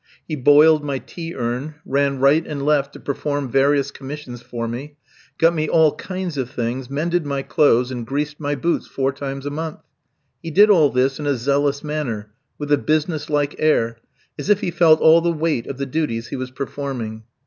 He boiled my tea urn, ran right and left to perform various commissions for me, got me all kinds of things, mended my clothes, and greased my boots four times a month. He did all this in a zealous manner, with a business like air, as if he felt all the weight of the duties he was performing.